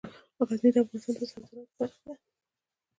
غزني د افغانستان د صادراتو برخه ده.